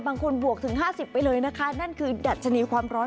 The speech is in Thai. บางคนบวกถึงห้าสิบไปเลยนะคะนั่นคือดัชนีความร้อน